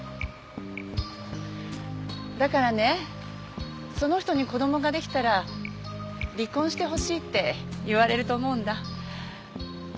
だからねその人に子供ができたら離婚してほしいって言われると思うんだ。